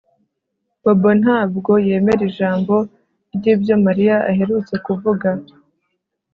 Bobo ntabwo yemera ijambo ryibyo Mariya aherutse kuvuga